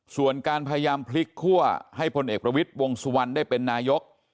ส่วนการพยายามพลิกคั่วให้พลเอกประวิทย์วงสุวรรณได้เป็นนายก